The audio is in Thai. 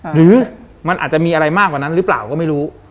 หรือมันอาจจะมีอะไรมากกว่านั้นหรือเปล่าก็ไม่รู้